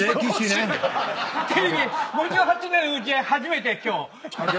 テレビ５８年のうち初めて今日。